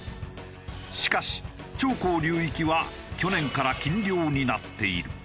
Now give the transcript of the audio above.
しかし長江流域は去年から禁漁になっている。